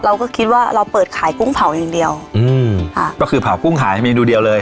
เราก็คิดว่าเราเปิดขายกุ้งเผาอย่างเดียวอืมค่ะก็คือเผากุ้งขายเมนูเดียวเลย